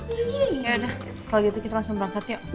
yaudah kalau gitu kita langsung berangkat yuk